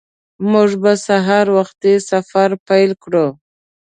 موږ به سهار وخته سفر پیل کړو